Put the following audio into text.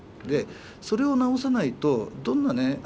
でそれを治さないとどんなね